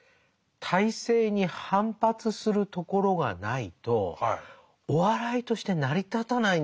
体制に反発するところがないとお笑いとして成り立たないんですよね。